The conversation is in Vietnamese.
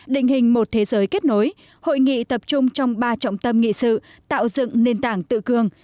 định hình một thế giới kết nối hội nghị tập trung trong ba trọng tâm nghị sự tạo dựng nền tảng tự cường